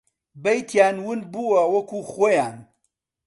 بەیتیان ون بووە وەکوو خۆیان